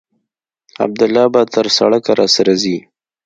عبدالله به تر سړکه راسره ځي.